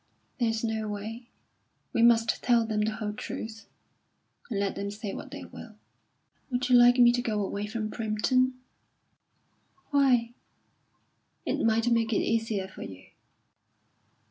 "There is no way. We must tell them the whole truth, and let them say what they will." "Would you like me to go away from Primpton?" "Why?" "It might make it easier for you."